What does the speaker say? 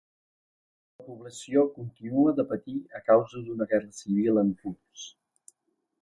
La població continua de patir a causa d'una guerra civil en curs.